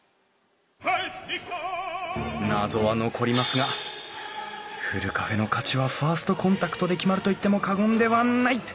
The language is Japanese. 謎は残りますがふるカフェの価値はファーストコンタクトで決まると言っても過言ではない！